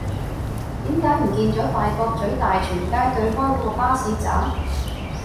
點解唔見左大角咀大全街對開嗰個巴士站